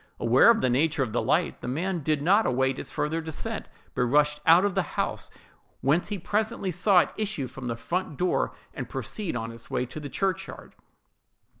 Aware of the nature of the light, the man did not await its further descent, but rushed out of the house—whence he presently saw it issue from the front door, and proceed on its way to the churchyard.